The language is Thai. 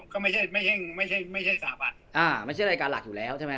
ก็ไม่ใช่สถาบันไม่ใช่รายการหลักอยู่แล้วใช่ไหม